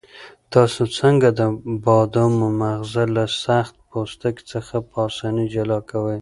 تاسو څنګه د بادامو مغز له سخت پوستکي څخه په اسانۍ جلا کوئ؟